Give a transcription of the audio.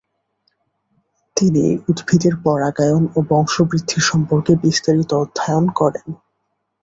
তিনি উদ্ভিদের পরাগায়ন ও বংশবৃদ্ধি সম্পর্কে বিস্তারিত অধ্যয়ন করেন।